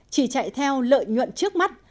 chỉ chạy theo lợi nhuận trước mắt